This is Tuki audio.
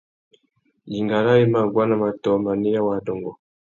Idinga râā i mà guá nà matōh, manéya wa adôngô.